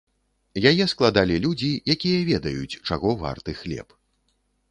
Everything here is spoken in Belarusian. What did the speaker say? Яе складалі людзі, якія ведаюць, чаго варты хлеб.